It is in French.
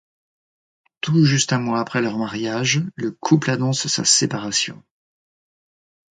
Tout juste un mois après leur mariage le couple annonce sa séparation.